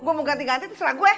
gua mau ganti ganti terserah gue